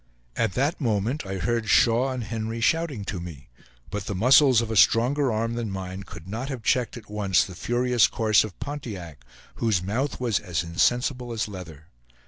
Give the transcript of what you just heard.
At that moment, I heard Shaw and Henry shouting to me; but the muscles of a stronger arm than mine could not have checked at once the furious course of Pontiac, whose mouth was as insensible as leather.